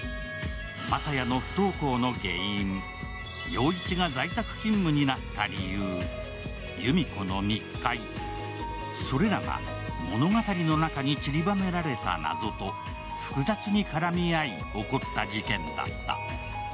真佐也の不登校の原因、陽一が在宅勤務になった理由、裕実子の密会、それらが物語の中にちりばめられた謎と複雑に絡み合い起こった事件だった。